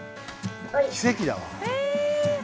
奇跡だわ。